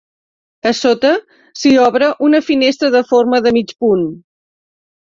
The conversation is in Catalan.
A sota s'hi obre una finestra de forma de mig punt.